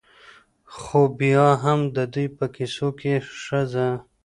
؛ خو بيا هم د دوى په کيسو کې ښځه